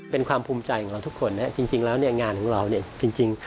เป็นความภูมิใจของเราทุกคนจริงแล้วเนี่ยงานของเราเนี่ยจริง